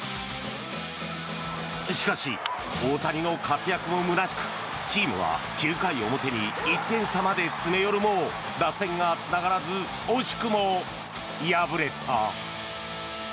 しかし、大谷の活躍も空しくチームは９回表に１点差まで詰め寄るも打線がつながらず惜しくも敗れた。